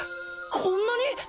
こんなに！？